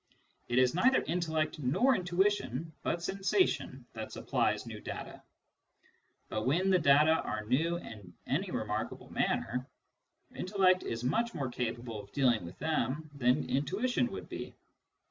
It is neither intellect nor intuition, but sensation, that supplies new data ; but when the data are new in any remarkable manner, intellect is much more capable of dealing with them than intuition would be.